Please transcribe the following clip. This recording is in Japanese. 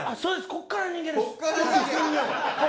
こっから人間です